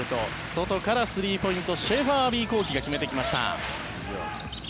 外からスリーポイントシェーファーアヴィ幸樹が決めてきました。